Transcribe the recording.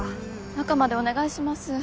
中までお願いします。